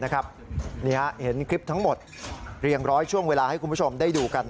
เห็นคลิปทั้งหมดเรียงร้อยช่วงเวลาให้คุณผู้ชมได้ดูกัน